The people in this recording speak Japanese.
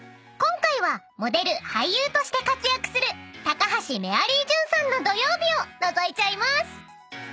今回はモデル俳優として活躍する高橋メアリージュンさんの土曜日をのぞいちゃいます］